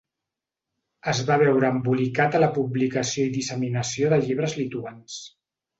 Es va veure embolicat a la publicació i disseminació de llibres lituans.